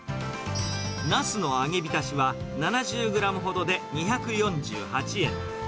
ナスの揚げびたしは、７０グラムほどで２４８円。